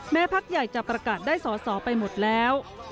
พักใหญ่จะประกาศได้สอสอไปหมดแล้ว